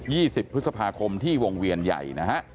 ที่๒๐พฤษภาคมที่วงเวียนใหญ่